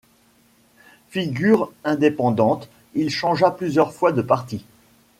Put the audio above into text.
Figure indépendante, il changea plusieurs fois de parti.